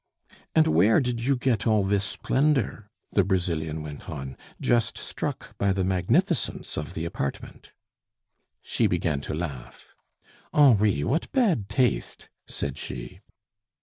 "And where did you get all this splendor?" the Brazilian went on, just struck by the magnificence of the apartment. She began to laugh. "Henri! what bad taste!" said she.